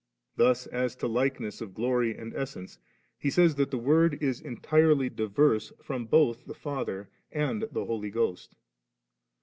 Thus as to * likeness of glory and essence,' he says that the Word is entirely diverse from both the Father and the Holy Ghost.